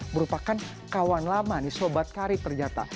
merupakan kawan lama nih sobat kari ternyata